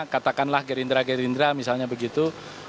katakanlah gerindra gerindra misalnya begitu